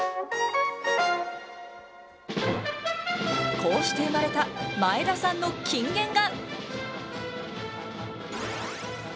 こうして生まれた前田さんの金言が。